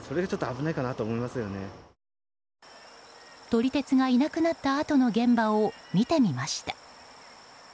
撮り鉄がいなくなったあとの現場を見てみました。